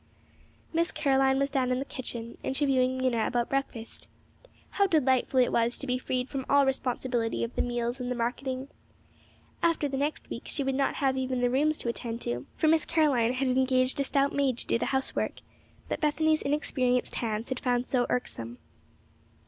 Miss Caroline was down in the kitchen, interviewing Mena about breakfast. How delightful it was to be freed from all responsibility of the meals and the marketing! After the next week she would not have even the rooms to attend to, for Miss Caroline had engaged a stout maid to do the housework, that Bethany's inexperienced hands had found so irksome.